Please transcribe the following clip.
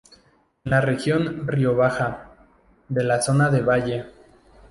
En la región Rioja Baja, de la zona de Valle.